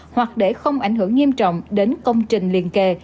hoặc để không ảnh hưởng nghiêm trọng đến công trình liên kề